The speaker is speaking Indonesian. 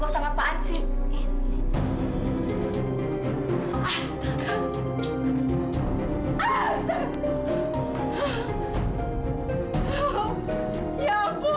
saya bisa menjaga dokter